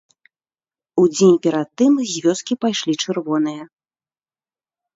Удзень перад тым з вёскі пайшлі чырвоныя.